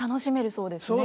そうですね。